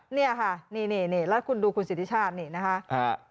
นี่ค่ะนี่แล้วคุณดูคุณสิทธิชาตินี่นะครับ